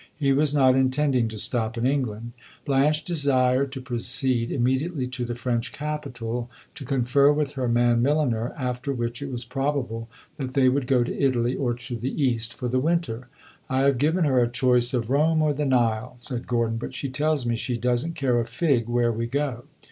He was not intending to stop in England; Blanche desired to proceed immediately to the French capital, to confer with her man milliner, after which it was probable that they would go to Italy or to the East for the winter. "I have given her a choice of Rome or the Nile," said Gordon, "but she tells me she does n't care a fig where we go."